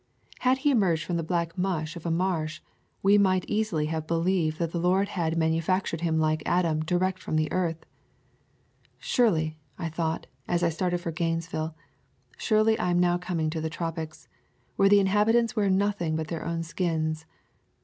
Had he emerged from the black muck of a marsh, we might eas ily have believed that the Lord had manufac tured him like Adam direct from the earth. Surely, thought I, as I started for Gaines ville, surely I am now coming to the tropics, where the inhabitants wear nothing but their own skins.